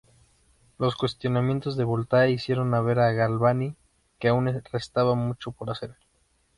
Los cuestionamientos de Volta hicieron ver a Galvani que aún restaba mucho por hacer.